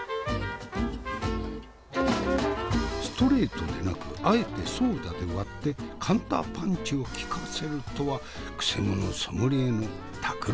ストレートでなくあえてソーダで割ってカウンターパンチをきかせるとはくせ者ソムリエのたくらみやいかに？